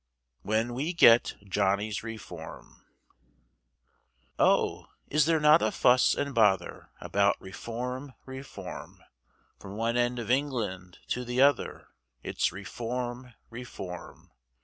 WHEN WE GET JOHNNY'S REFORM. Oh! is there not a fuss and bother About Reform, Reform? From one end of England to the other, It's Reform, Reform.